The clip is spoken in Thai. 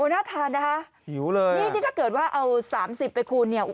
โอนาทานนะครับนี่ถ้าเกิดว่าเอา๓๐ไปคูณเนี่ย